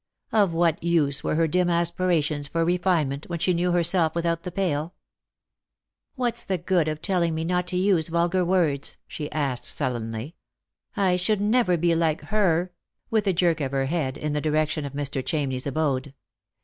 Of what use were her dim aspirations for re finement when she knew herself without the pale ?" What's the good of telling me not to use vulgar words?" she asked sullenly; "I should never be like her ;" with a jerk of her head in the direction of Mr. Chamney's abode.